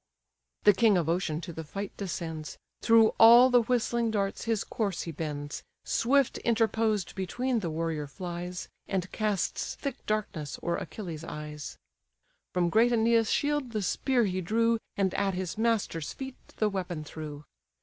The king of ocean to the fight descends, Through all the whistling darts his course he bends, Swift interposed between the warrior flies, And casts thick darkness o'er Achilles' eyes. From great Æneas' shield the spear he drew, And at his master's feet the weapon threw.